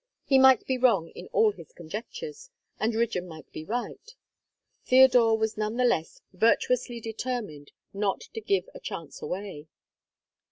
He might be wrong in all his conjectures, and Rigden might be right. Theodore was none the less virtuously determined not to give a chance away.